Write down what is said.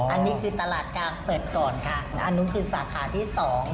อันนี้คือตลาดกลางเปิดก่อนค่ะอันนู้นคือสาขาที่สอง